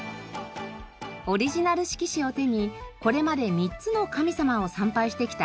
オリジナル色紙を手にこれまで３つの神様を参拝してきたきく姫さん。